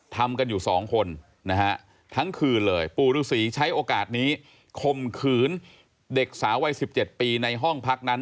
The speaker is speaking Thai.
ทำกันอยู่สองคนนะฮะทั้งคืนเลยปู่ฤษีใช้โอกาสนี้คมขืนเด็กสาววัย๑๗ปีในห้องพักนั้น